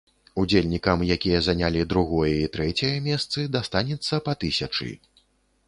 Удзельнікам, якія занялі другое і трэцяе месцы, дастанецца па тысячы.